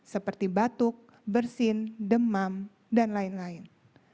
seperti batuk bersin demam dan lain lain